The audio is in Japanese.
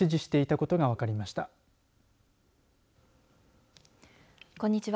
こんにちは。